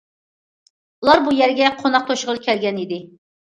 ئۇلار بۇ يەرگە قوناق توشۇغىلى كەلگەنىدى.